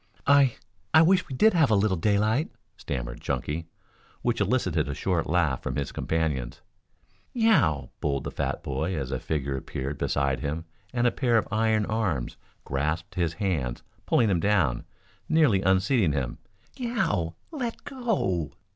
"I I wish we did have a little daylight," stammered Chunky, which elicited a short laugh from his companions. "Yeow!" bowled the fat boy as a figure appeared beside him and a pair of iron arms grasped his hands pulling him down, nearly unseating him. "Yeow! Let go!"